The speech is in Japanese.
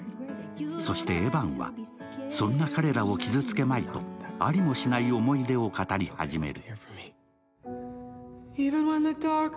そんなエヴァンはそんな彼らを傷つけまいとありもしない思い出を語り始める。